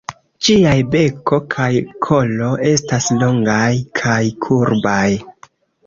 Ĝiaj beko kaj kolo estas longaj kaj kurbaj.